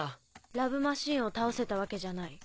「ラブ・マシーン」を倒せたわけじゃない。